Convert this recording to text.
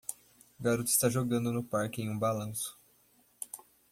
Garota está jogando no parque em um balanço.